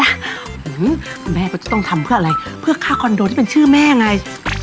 คุณแม่ก็จะต้องทำเพื่ออะไรเพื่อค่าคอนโดที่เป็นชื่อแม่ไง